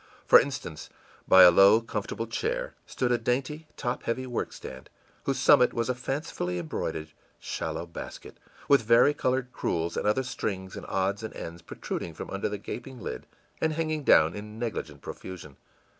For instance, by a low, comfortable chair stood a dainty, top heavy workstand, whose summit was a fancifully embroidered shallow basket, with varicolored crewels, and other strings and odds and ends protruding from under the gaping lid and hanging down in negligent profusion.